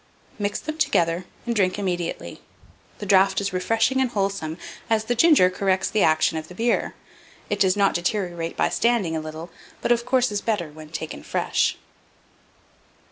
Mix them together, and drink immediately. The draught is refreshing and wholesome, as the ginger corrects the action of the beer. It does not deteriorate by standing a little, but, of course, is better when taken fresh.